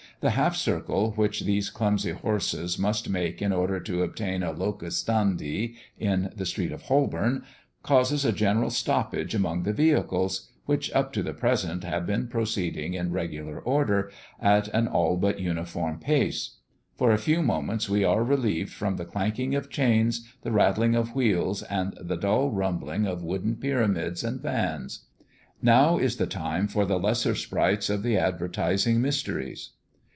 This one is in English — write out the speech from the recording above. The half circle which these clumsy horses must make in order to obtain a locus standi in the street of Holborn, causes a general stoppage among the vehicles, which up to the present have been proceeding in regular order, at an all but uniform pace. For a few moments we are relieved from the clanking of chains, the rattling of wheels, and the dull rumbling of wooden pyramids and vans. Now is the time for the lesser sprites of the advertising mysteries.